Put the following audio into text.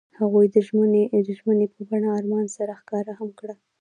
هغوی د ژمنې په بڼه آرمان سره ښکاره هم کړه.